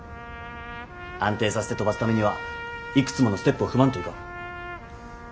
安定させて飛ばすためにはいくつものステップを踏まんといかん。